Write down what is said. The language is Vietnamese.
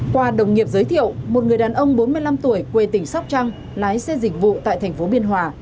qua đồng nghiệp giới thiệu một người đàn ông bốn mươi năm tuổi quê tỉnh sóc trăng lái xe dịch vụ tại thành phố biên hòa